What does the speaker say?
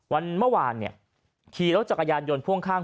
วันเมื่อวานขี่แล้วก็จักรยานยนต์พ่วงข้าง